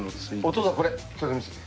お父さんこれちょっと見せて。